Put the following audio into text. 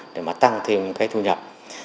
để mà tăng thêm cây thu nhập